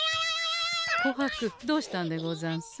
こはくどうしたんでござんす？